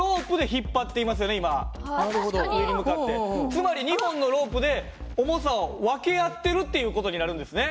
つまり２本のロープで重さを分け合ってるっていう事になるんですね。